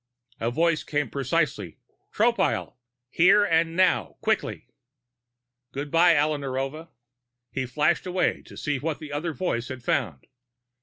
A voice came piercingly: "Tropile! Here now, quickly!" Good by, Alla Narova! He flashed away to see what the other voice had found.